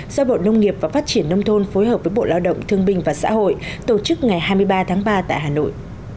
do bộ nông nghiệp và phát triển nông thôn phối hợp với bộ lao động thương binh và xã hội tổ chức ngày hai mươi ba tháng ba tại hà nội